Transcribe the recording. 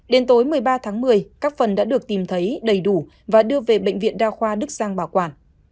đến tối một mươi ba tháng một mươi các phần đã được tìm thấy đầy đủ và đưa về bệnh viện đa khoa đức giang bảo quản